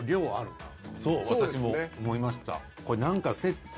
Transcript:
そう私も思いました。